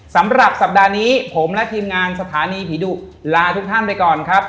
สำหรับสัปดาห์นี้ผมและทีมงานสถานีผีดุลาทุกท่านไปก่อนครับ